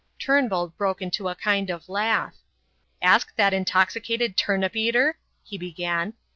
Turnbull broke into a kind of laugh. "Ask that intoxicated turnip eater " he began.